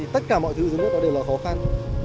tất cả mọi thứ dưới nước đó đều là khó khăn